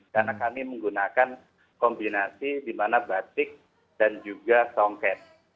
karena kami menggunakan kombinasi di mana batik dan juga songket